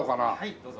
どうぞ。